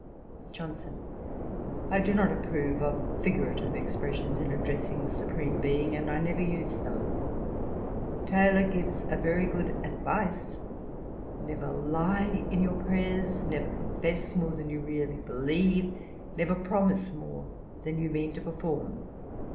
JOHNSON. 'I do not approve of figurative expressions in addressing the Supreme Being; and I never use them. Taylor gives a very good advice: "Never lie in your prayers; never confess more than you really believe; never promise more than you mean to perform."